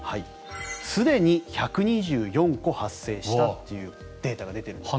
すでに１２４個発生したというデータが出ているんです。